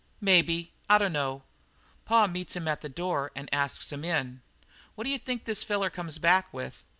"Maybe. I dunno. Pa meets him at the door and asks him in. What d'you think this feller comes back with?"